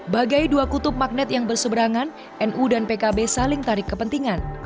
bagai dua kutub magnet yang berseberangan nu dan pkb saling tarik kepentingan